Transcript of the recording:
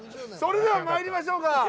それではまいりましょうか。